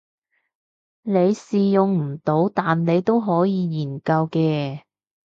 你試用唔到但你都可以研究嘅